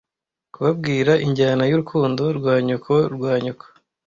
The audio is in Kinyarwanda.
Kubabwira injyana y'urukundo rwa nyoko rwa nyoko!